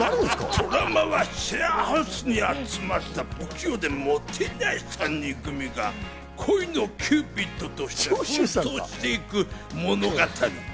ドラマはシェアハウスに集まった不器用でモテない３人組が恋のキューピッドとして奮闘していく物語。